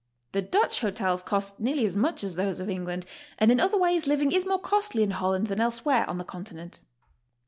The Dutch hotels cost nearly as much as those of England, and in other ways living is more costly in Holland than elsewhere on the Continent.